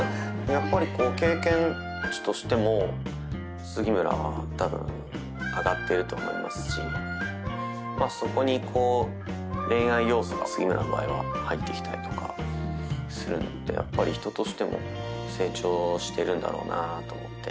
やっぱりこう経験値としても杉村は多分上がってると思いますしまあそこに恋愛要素が杉村の場合は入ってきたりとかするのでやっぱり人としても成長してるんだろうなあと思って。